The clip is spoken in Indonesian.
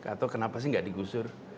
atau kenapa sih nggak digusur